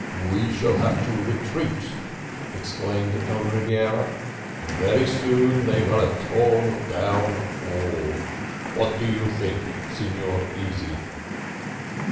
"We shall have to retreat!" exclaimed Don Rebiera; "very soon they will have torn down all. What do you think, Signor Easy?"